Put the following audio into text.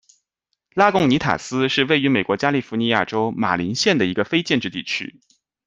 拉贡尼塔斯是位于美国加利福尼亚州马林县的一个非建制地区。